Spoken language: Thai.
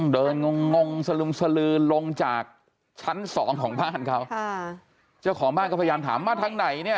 งงงสลึมสลือลงจากชั้นสองของบ้านเขาค่ะเจ้าของบ้านก็พยายามถามมาทางไหนเนี่ย